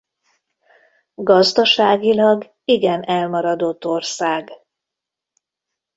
Gazdaságilag igen elmaradott ország.